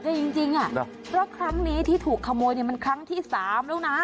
จริงเพราะครั้งนี้ที่ถูกขโมยเนี่ยมันครั้งที่๓แล้วนะ